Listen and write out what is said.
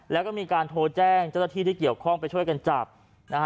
แล้วก็มีการโทรแจ้งเจ้าหน้าที่ที่เกี่ยวข้องไปช่วยกันจับนะฮะ